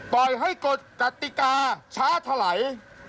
ปล่อยให้กฏกตีกาช้าไถล